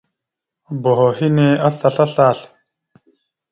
Boho henne aslasl aslasl.